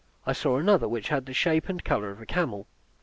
I saw another, which had the shape and color of a camel.